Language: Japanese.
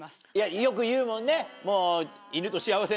よく言うもんね。